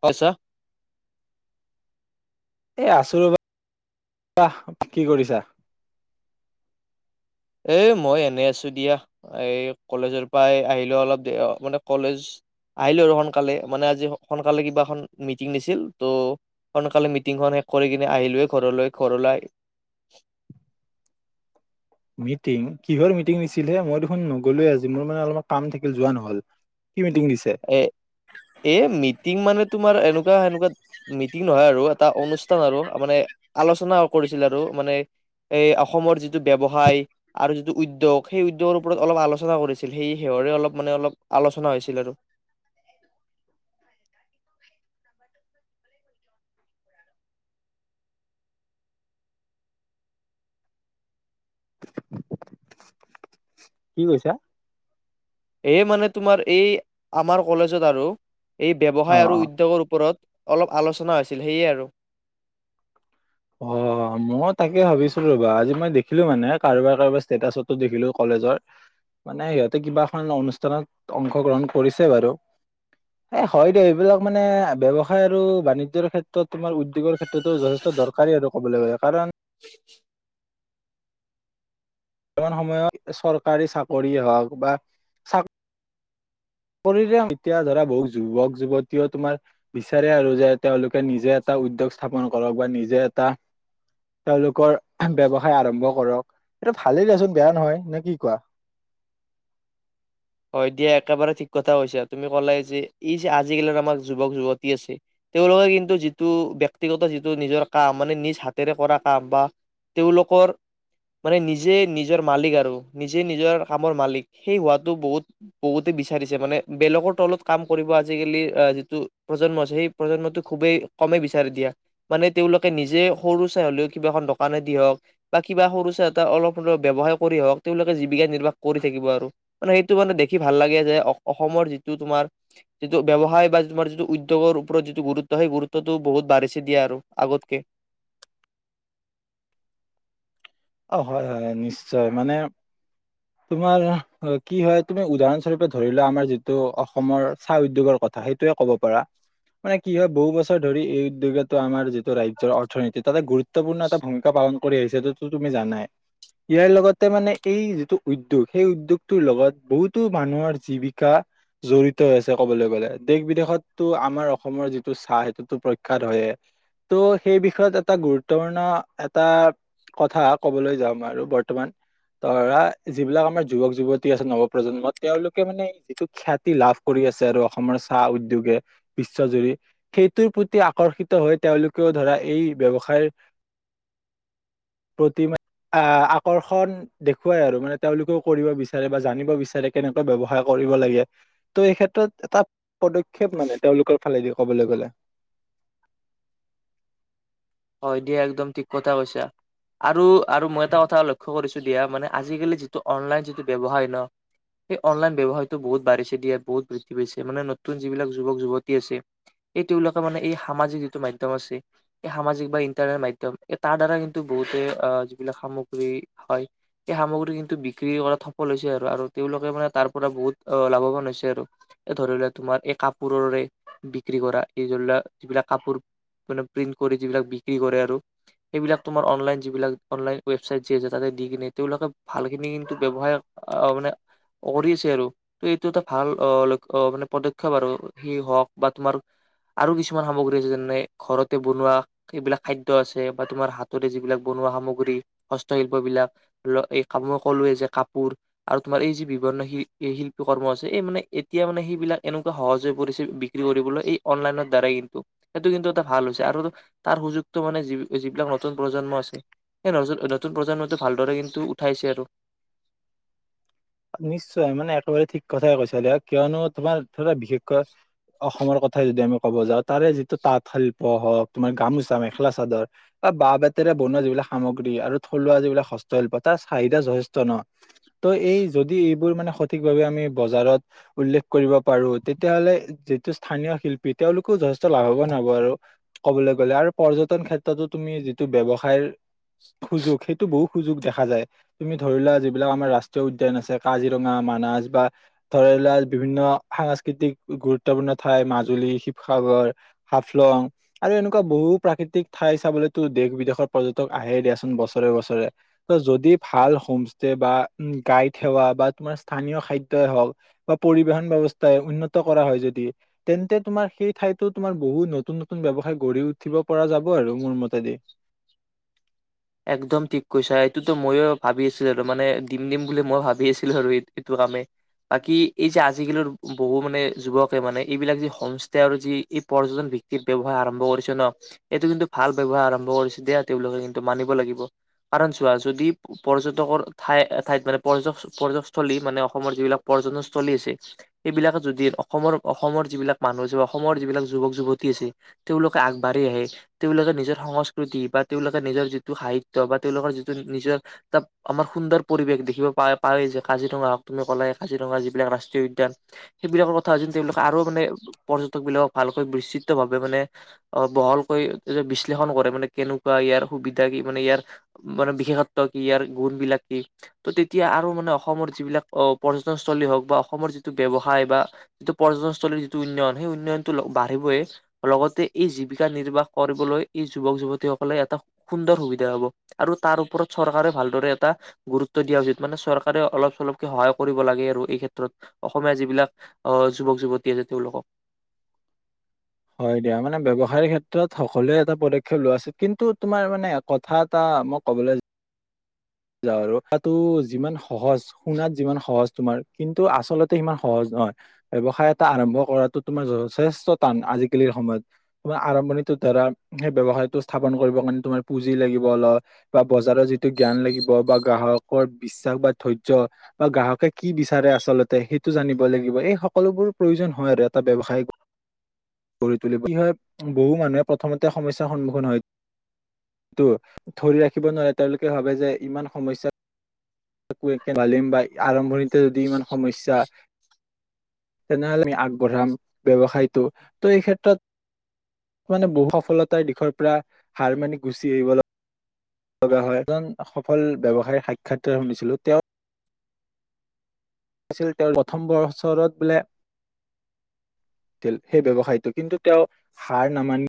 পাইছা? এ আছোঁ ৰবা। কি কৰিছা? এ মই এনে আছোঁ দিয়া। এই কলেজৰ পৰা আহিলো অলপ, দে মানে, কলেজ আহিলোঁ আৰু সোনকালে, মানে আজি সোনকালে, কিবাখন মিটিং দিছিল ত' সোনকালে মিটিংখন শেষ কৰি কিনে আহিলোয়ে ঘৰলৈ, ঘৰলৈ। মিটিং? কিহৰ মিটিং দিছিলহে, মই দেখোন নগলোৱে আজি। মোৰ মানে অলপ কাম থাকিল যোৱা নহ'ল। কি মিটিং দিছে এ, এ মিটিং মানে, তোমাৰ এনেকুৱা, এনেকুৱা টিং নহয় আৰু, এটা অনুষ্ঠান আৰু, মানে, আলোচনা কৰিছিল আৰু, মানে এই অসমৰ যিটো ব্যসায় আৰু যিটো উদ্যোগ, সেই উদ্যোগৰ ওপৰত অলপ আলোচনা কৰিছিল, সেই হিহৰে অলপ, মানে অলপ, আলোচনা হৈছিল আৰু। কি কৈছা? এ মানে তোমাৰ, এই আমাৰ কলেজত আৰু এই অ ব্যৱসায় আৰু উদ্যোগৰ ওপৰত অলপ আলোচনা হৈছিল, সেয়ে আৰু। অ' মই তাকে ভাবিছোঁ ৰবা। আজি মই দেখিলোঁ মানে কাৰোবাৰ কাৰোবাৰ ষ্টেটাচতো দেখিলোঁ। কলেজৰ মানে সিহঁতে কিবা এখন অনুষ্ঠানত অংশগ্ৰহণ কৰিছে বাৰু। এ হয় দে এইবিলাক মানে ব্যৱসায় আৰু বাণিজ্যৰ ক্ষেত্ৰত তোমাৰ উদ্যোগৰ ক্ষেত্ৰতো যথেষ্ট দৰকাৰ। কাৰি আৰু ক'বলৈ গ'লে, কাৰণ বৰ্তমান সময়ত, চৰকাৰী চাকৰিয়ে হওক বা চা কৰিলে এতিয়া ধৰা বহুত যুৱক যুৱতীয়েও তোমাৰ বিচাৰে আৰু যে, তেওঁলোকে নিজে এটা উদ্যোগ স্থাপন কৰক, বা নিজে এটা তেওঁলোকৰ ব্যৱসায় আৰম্ভ কৰক, এইটো ভালেই দচোন বেয়া নহয়, নে কি কোৱা? হয় দিয়া একেবাৰে ঠিক কথা কৈছা। তুমি ক'লায়ে যে, ই যে আজিকালিৰ আমাৰ যুৱক যুৱতী আছে, তেওঁওলোকে কিন্তু যিটো, ব্যক্তিগত যিটো নিজৰ কাম, মানে নিজ হাতেৰে কৰা কাম, বা তেওঁলোকৰ মানে নিজে, নিজৰ মালিক আৰু, নিজে নিজৰ কামৰ মালিক, সেই হোৱাটো বহুত বহুতে বিচাৰিছে মানে, বেলেগৰ তলত কাম কৰিব আজিকালি যিটো প্ৰজন্ম আছে, সেই প্ৰজন্মটো খুবেই কমেই বিচাৰি দিয়া। মানে তেওঁলোকে নিজে সৰু চাই হলেও কিবা এখন দোকানে দি হওঁক, বা কিবা সৰু চাই এটা অলপ হ'লেও, ব্যৱসায় কৰিয়ে হওক, তেওঁলোকে জীৱিকা নিৰ্বাহ কৰি থাকিব আৰু। মানে সেই টো মানে দেখি ভাল লাগে যে, অসমৰ যিটো তোমাৰ যিটো ব্যৱসায় বা তোমাৰ যিটো উদ্যোগৰ ওপৰত যিটো গুৰুত্ব, সেই গুৰুত্বটো বহুত বাঢ়িছে দিয়া আৰু, আগতকে। অ' হয়! হয়! নিশ্চয়, মানে তোমাৰ কি হয় তুমি উদাহৰণস্বৰূপে ধৰিলোৱা আমাৰ যিটো অসমৰ চাহ উদ্যোগৰ কথা, সেইটোয়ে কব পাৰা। মানে কি হয় বহু বছৰ ধৰি এই উদ্যোগটো আমাৰ যি ৰাজ্যৰ অৰ্থনীতি ততে গুৰুত্বপূৰ্ণ এটা ভূমিকা পালন কৰি আহিছে যোন টো তুমি জানায়ে। ইয়াৰ লগতে মানে এই যিটো উদ্যোগ, সেই উদ্যোগটোৰ লগত বহুতো মানুহৰ জীৱিকা জড়িত আছে কবলৈ গ'লে। দেশ বিদেশতো আমাৰ অসমৰ যিটো চাহ সেইটোতো প্ৰখ্য্াত হয়ে ত' সেই বিষয়ত এটা গুৰুত্বপূৰ্ণ এটা কথা কবলৈ যাাম আৰু বৰ্তমান ধৰা, যিবিলাক আমাৰ যুৱক যুৱতী আছে নৱ প্ৰজন্মৰ, তেওঁলোকে মানে যিটো খ্যাতি লাভ কৰি আছে আৰু অসমৰ চাহ উদ্যোগে, বিশ্বজুৰি, সেইটোৰ প্ৰতি আকৰ্ষিত হৈ তেওঁলোকেও ধৰা এই ব্যয়ৱসায় প্ৰতিমা [unintelligible] আকৰ্ষণ দেখুৱাই আৰু, মানে তেওঁলোকেও কৰিব বিচাৰে বা জানিব বিচাৰে। কেনেকৈ ব্যৱসায় কৰিব লাগে, ত' এই ক্ষেত্ৰত এটা পদক্ষেপ মানে তেওঁলোকৰ ফালেদি ক'বলৈ গ'লে। হয় দিয়া একদম ঠিক কথা কৈছা। আৰু আৰু মই এটা কথা লক্ষ্য কৰিছোঁ দিয়া, মানে আজিকালি যিটো অনলাইন যিটো ব্যৱসায় ন, সেই অনলাইন ব্যৱসায়তটো বহুত বাঢ়িছে দিয়া, বহুত বৃদ্ধি পাইছে, মানে, নতুন যিবিলাক যুৱক যুৱতী আছে এই তেওঁলোকে মানে, এই সামাজিক যিটো মাধ্যম আছে, এই সামাজিক বা ইন্টাৰনেট মাধ্যম তাৰ দ্বাৰা কিন্তু বহুতে যিবিলাক সামগ্ৰী হয় এই সামগ্ৰী কিন্তু বিক্ৰী কৰা সফল হৈছে আৰু, আৰু তেওঁলোকে মানে তাৰ পৰা বহুত লাভৱান হৈছে আৰু, ধৰি লোৱা তোমাৰ এই কাপোৰৰে বিক্ৰী কৰা, এই ধৰিলোৱা যিবিলাক কাপোৰ, মানে প্ৰিন্ট কৰি যিবিলাক বি কি কৰে আৰু, সেইবিলাক তোমাৰ, অনলাইন যিবিলাক, অনলাইন ৱেবচাইট যে আছে, তাতে দি কিনে তেওঁলোকে ভালখিনি কিন্ত ব্যৱসায়, অ' মানে, কৰি আছে আৰু, এইটো এটা ভাল মানে পদক্ষেপ আৰু, সেই হওক বা তোমাৰ আৰু কিছুমান সামগ্ৰী আছে, যেনে ঘৰ বনোৱা সেইবিলাক খাদ্য আছে, বা তোমাৰ হাতৰে যিবিলাক বনোৱা সামগ্ৰী, হস্তশিল্প বিলাক, ল এই, মই ক'লোৱে যে কাপোৰ, আৰু তোমাৰ এই যি বিভিন্ন শিল্পী কৰ্ম আছে, এই মানে এতিয়া মানে, সেইবিলাক এনেকুৱা সহজ হৈ পৰিছে বিক্ৰী কৰিবলৈ, এই অনলাইনৰ দ্বাৰাই কিন্তু, সেইটো কিন্তু এটা ভাল হৈছে আৰু তাৰ সুযোগটো মানে যিবিলাক নতুন প্ৰজন্ম আছে, সেই নতুন প্ৰজন্মটো ভালদৰে কিন্তু উঠাইছে আৰু। নিশ্চয় মানে একেবাৰে ঠিক কথাই কৈছা দিয়া। কিয়নো তোমাৰ ধৰা বিশেষকৈ অসমৰ কথাই যদি আমি ক'ব যাওঁ, তাৰে যিটো তাঁতশিল্প হওক, তোমাৰ গামোচা, মেখেলা চাদৰ বা বাঁহ বেতেৰে বনোৱা যিবিলাক সামগ্ৰী, আৰু থলুৱা যিবিলাক হস্তশিল্প, তাৰ চাহিদা যথেষ্ট ন। তো এই যে এইবোৰ মানে সঠিক ভাৱে আমি বজাৰত, উল্লেখ কৰিব পাৰোঁ, তেতিয়াহলে যিটো স্থানীয় শিল্পী তেওঁলোকও যথেষ্ট লাভৱান হ'ব আৰু কবলৈ গ'লে, আৰু পৰ্যটন ক্ষেত্ৰতো তুমি যিটো ব্যৱসায়ৰ সুযোগ, সেইটো বহুত সুযোগ দেখা যায়, তুমি ধৰিলোৱা যিবিলাক আমাৰ ৰাষ্ট্ৰীয় উদ দ্যান আছে, কাজিৰঙা, মানাস, বা ধৰি লোৱা বিভিন্ন সাংস্কৃতিক, গুৰুত্বপূৰ্ণ ঠাই, মাজুলী, শিৱসাগৰ, হাফলং আৰু এনেকুৱা বহু প্ৰাকৃতিক ঠাই চাবলৈতো দেশ বিদেশৰ পৰ্যটক আহে দিয়াচোন, বছৰে বছৰে, তো যদি ভাল হোমষ্টে বা গাইড সেৱা বা তোমাৰ স্থানীয় খাদ্যই হওক, বা পৰিবহন ব্যৱস্থাই উন্নত কৰা হয় যদি, তেন্তে তোমাৰ সেই ঠাইতো তোমাৰ বহুত নতুন নতুন ব্যৱসায়ৰ গঢ়ি উঠিব পৰা যাব আৰু, মোৰ মতে দেই। একদম ঠিক কৈছা এইটোতো ময়ো ভাবি আছিলো আৰু মানে দিম দিম বুলি মই ভাবি আছিলো আৰু এই এইটো কামে বাকী এই যে আজিকালিৰ বহু মানে যুৱকে মানে এইবিলাক যি হোমষ্টে আৰু যি এই পৰ্যটন ভিত্তিত ব্যবসায় আৰম্ভ কৰিছে ন এইটো কিন্তু ভাল ব্যৱসায় আৰম্ভ কৰিছে দিয়া তেওঁলোকে কিন্তু মানিব লাগিব কাৰণ চোৱা যদি পৰ্যটকৰ ঠাই ঠাইত মানে পৰ্য পৰ্যকস্থলী মানে অসমৰ যিবিলাক পৰ্যটনস্থলী আছে সেইবিলাকে যদি অসমৰ অসমৰ যিবিলাক মানুহ আছে বা অসমৰ যিবিলাক যুৱক যুৱতী আছে তেওঁলোকে আগবাঢ়ি আহে তেওঁলোকে নিজৰ সংস্কৃতি বা তেওঁলোকে নিজৰ যিটো সাহিত্য বা তেওঁলোকৰ যিটো নিজৰ ত আমাৰ সুন্দৰ পৰিৱেশ দেখিব পা পায় যে কাজিৰঙা হওক তুমি ক'লে কাজিৰঙা যিবিলাক ৰাষ্ট্ৰীয় উদ্যান সেইবিলাকৰ কথা যে তেওঁলোকে আৰু মানে পৰ্যটক বিলাকক ভালকৈ বিস্তিতভাৱে মানে অ বহলকৈ বিশ্লেষণ কৰে মানে কেনেকোৱা ইয়াৰ সুবিধা কি মানে ইয়াৰ মানে বিশেষত্ব কি ইয়াৰ গুণ বিলাক কি ত' তেতিয়া আৰু মানে অসমৰ যিবিলাক আহ পৰ্যটনস্থ্থলী হওক বা অসমৰ যিটো ব্যৱসায় বা যিটো পৰ্যটনস্থলীৰ যিটো উন্নয়ন সেই উন্নয়নতটো বাঢ়িবই লগতে এই জীৱিকা নিৰ্বাহ কৰিবলৈ এই যুৱক যুৱতীসকলে এটা সুন্দৰ সুবিধা হব আৰু তাৰ ওপৰত চৰকাৰে ভালদৰে এটা গুৰুত্ব দিয়া উচিত মানে চৰকাৰে অলপ চলপকে সহায় কৰিব লাগে আৰু এই ক্ষেত্ৰত অসমীয়া যিবিলাক আহ যুৱক যুৱতী আছে তেওঁলোকক হয় দিয়া মানে ব্যবসায়ৰ ক্ষেত্ৰত সকলোৱে এটা পদক্ষেপ লোৱাছে কিন্তু তোমাৰ মানে কথা এটা মই কবলৈ যা আৰু তটো যিমান সহজ শুনাত যিমান সহজ তোমাৰ কিন্তু আচলতে সিমান সহজ নহয় ব্যৱসায় এটা আৰম্ভ কৰাতো তোমাৰ যথেষ্ট টান আজিকালিৰ সময়ত তোমাৰ আৰম্ভণিতটো ধৰা সেই ব্যবসায়তটো স্থাপন কৰিব কাৰণে তোমাৰ পুঁজি লাগিব অলপ বা বজাৰৰ যিটো জ্ঞান লাগিব বা গ্ৰাহকৰ বিশ্বাস বা ধৈৰ্য্য বা গ্ৰাহকে কি বিচাৰে আচলতে সেইটো জানিব লাগিব এই সকলোবোৰ প্ৰয়োজন হয় আৰু এটা ব্যৱসায়িক গঢ়ি তুলিব কি হয় বহু মানুহে প্ৰথমতে সমস্যায়ৰ সন্মুখীন হয়টো ধৰি ৰাখিব নোৱাৰে তেওঁলোকে ভাবে যে ইমান সমস্যা ভালিম বা আৰম্ভণিতে যদি ইমান সমস্যা তেনেহলে আমি আগবঢ়াম ব্যবসায়টো ত' এই ক্ষেত্ৰত মানে বহু সফলতাৰ দিশৰ পৰা হাৰ মানি গুচি আহিব ল লগা হয় এজন সফল ব্যবসায়ী সাক্ষাৎকাৰ শুনিছিলোঁ তেওঁ আছিল তেওঁৰ প্ৰথম বছৰত বোলে তে সেই ব্যবসায়টো কিন্তু তেওঁ সাৰ নামানি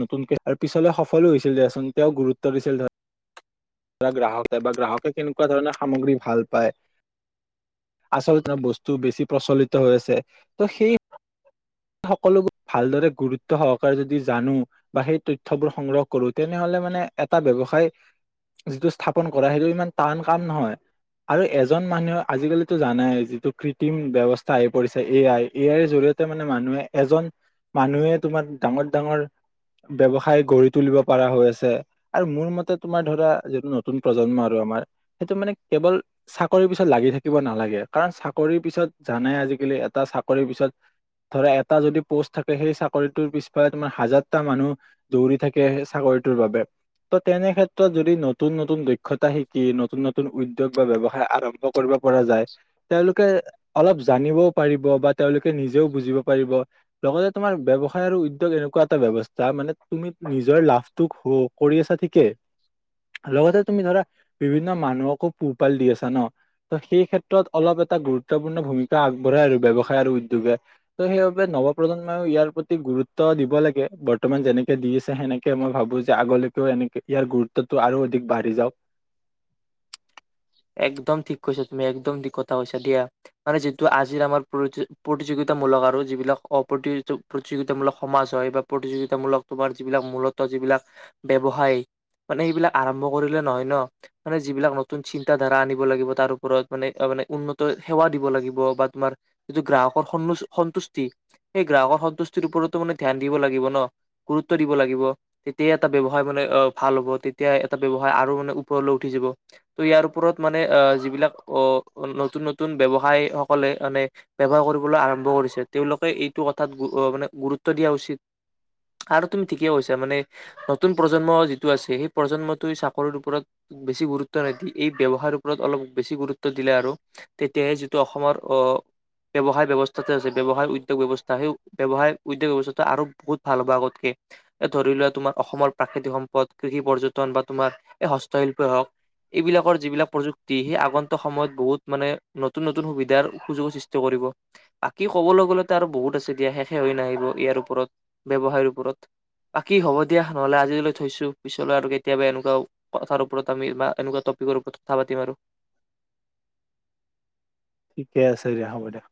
নতুনকে পিছলৈ সফলো হৈছিল দেচোন তেওঁক গুৰুত্ব দিছিল ধৰা গ্ৰাহকে বা গ্ৰাহকে কেনেকোৱা ধৰণৰ সামগ্ৰী ভাল পায় আচলতে বস্তু বেছি প্ৰচলিত হৈ আছে ত সেই সকলোবোৰ ভালদৰে গুৰুত্ব সহকাৰে যদি জানো বা সেই তথ্যবোৰ সংগ্ৰহ কৰো তেনেহলে মানে এটা ব্যৱসায় যিটো স্থাপন কৰা সেইটো ইমান টান কাম নহয় আৰু এজন মানুহে আজিকালিতো জানাই যিটো কৃত্ৰিম ব্যবস্থা আহি পৰিছে এ আই এ আইৰ জৰিয়তে মানে মানুহে এজন মানুহে তোমাৰ ডাঙৰ ডাঙৰ ব্যৱসায় গঢ়ি তুলিব পৰা হৈ আছে আৰু মোৰ মতে তোমাৰ ধৰা যিটো নতুন প্ৰজন্ম আৰু আমাৰ সেইটো মানে কেৱল চাকৰিৰ পিছত লাগি থাকিব নালাগে কাৰণ চাকৰি পিছত জানাই আজিকালি এটা চাকৰিৰ পিছত ধৰা এটা যদি পোষ্ট থাকে সেই চাকৰিটোৰ পিছফালে তোমাৰ হাজাৰটা মানুহ দৌৰি থাকে সেই চাকৰিটোৰ বাবে ত তেনে ক্ষেত্ৰত যদি নতুন নতুন দক্ষতা শিকি নতুন নতুন উদ্যোগ বা ব্যয়ৱসায় আৰম্ভ কৰিব পৰা যায় তেওঁলোকে অলপ জানিবও পাৰিব বা তেওঁলোকে নিজেও বুজিব পাৰিব লগতে তোমাৰ ব্যৱসায় আৰু উদ্যোগ এনেকোৱা এটা ব্যৱস্থা মানে তুমি নিজৰ লাভটো কৰি আছা ঠিকে লগতে তুমি ধৰা বিভিন্ন মানুহকো পোহপাল দি আছা ন ত সেই ক্ষেত্ৰত অলপ এটা গুৰু ত্বপূৰ্ণ ভূমিকা আগবঢ়ায় আৰু ব্যৱ হয় আৰু উদ্যোগে ত' সেইবাবে নৱ প্ৰজন্মও ইয়াৰ প্ৰতি গুৰুত্ব দিব লাগে বৰ্তমান যেনেকে দি আছে সেনেকে মই ভাবো যে আগলৈকেও এনেকে ইয়াৰ গুৰুত্বটো আৰু অধিক বাঢ়ি যাওক একদম ঠিক কছা তুমি একদম ঠিক কথা কৈছা দিয়া মানে যিটো আজিৰ আমাৰ প্ৰতি প্ৰতিযোগিতামূলক আৰু যিবিলাক অ প্ৰতিযোগিতামূলক সমাজ হয় বা প্ৰতিযোগিতামূলক তোমাৰ যিবিলাক মূলত যিবিলাক ব্যৱসায় মানে সেইবিলাক আৰম্ভ কৰিলে নহয় ন মানে যিবিলাক নতুন চিন্তাধাৰা আনিব লাগিব তাৰ ওপৰত মানে মানে উন্নত সেৱা দিব লাগিব বা তোমাৰ যিটো গ্ৰাহকৰ সন্তুষ্টি সেই গ্ৰাহকৰ সন্তুষ্টিৰ ওপৰতো মানে ধ্যান দিব লাগিব ন গুৰুত্ব দিব লাগিব তেতিয়াাই এটা ব্যযৱসায় মানে ভাল হ'ব তেতিয়া এটা ব ব্যৱসায় আৰু মানে ওপৰলৈ উঠি যাব ত ইয়াৰ ওপৰত মানে আহ যিবিলাক আহ নতুন নতুন ব্যৱসায়ৰ সকলে মানে ব্য্ৱহাৰ কৰিবলৈ আৰম্ভ কৰিছে তেওঁলোকে এইটো কথাত গ মানে গুৰুত্ব দিয়া উচিত আৰু তুমি ঠিকেই কৈছা মানে নতুন প্ৰজন্ম যিটো আছে সেই প্ৰজন্মটো চাকৰিৰ ওপৰত বেছি গুৰু নিদি এই ব্যৱসায়ৰ ওপৰত অলপ বেছি গুৰুত্ব দিলে আৰু তেতিয়াহে যিটো অসমৰ আহ ব্যৱসায় ব্যৱস্থাটো আছে ব্যৱসায় উদ্যোগ ব্যৱস্থা সেই ব্যৱসায় উদ্যোগ ব্যৱস্থা আৰু বহুত ভাল হ'ব আগতকে ধৰি লোৱা তোমাৰ অসমৰ প্ৰাকৃতিক সম্পদ কৃষি পৰ্যটন বা তোমাৰ এই হস্তশিল্পই হওক এইবিলাকৰ যিবিলাক প্ৰযুক্তি সেই আগন্তুক সময়ত বহুত মানে নতুন নতুন সুবিধাৰ সুযোগৰ সৃষ্টি কৰিব বাকী ক'বলৈ গ'লেতো আৰু বহুত আছে দিয়া শেষে হৈ নাহিব ইয়াৰ ওপৰত ব্যৱসায়ৰ ওপৰত বাকী হ'ব দিয়া নহলে আজিলৈ থৈছো পিছলৈ আৰু কেতিয়াবা এনেক কথাৰ ওপৰত আমি বা এনেকোৱা টপিকৰ ওপৰত কথা পাতিম আৰু ঠিকে আছে দিয়া হ'ব দিয়া